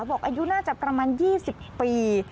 อายุน่าจะประมาณ๒๐ปี